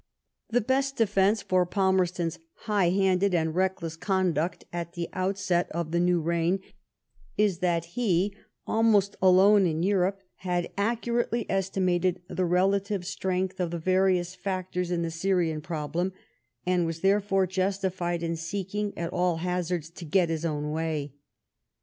The best defence for Palmerston's high handed and reckless conduct at the outset of the new reign is that he, almost alone in Europe, had accurately estimated the relative strength of the various factors in the Syrian problem, and was therefore justified in seeking at all hazards to get his own way.